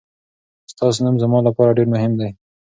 ستاسو نوم زما لپاره ډېر مهم دی.